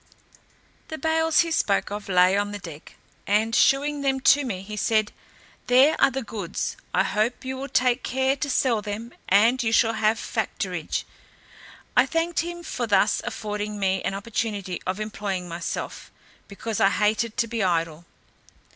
The bales he spoke of lay on the deck, and shewing them to me, he said, "There are the goods; I hope you will take care to sell them, and you shall have factorage." I thanked him for thus affording me an opportunity of employing myself, because I hated to be idle.